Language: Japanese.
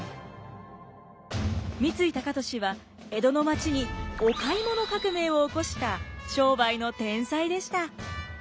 三井高利は江戸の街にお買い物革命を起こした商売の天才でした。